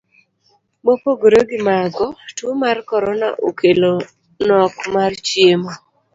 Mopogore gi mago, tuo mar korona okelo nok mar chiemo.